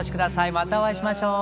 またお会いしましょう。